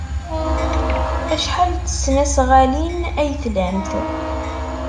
Acḥal n tesnasɣalin ay tlamt?